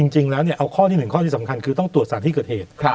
จริงแล้วเอาข้อที่๑ข้อที่สำคัญคือต้องตรวจสารที่เกิดเหตุ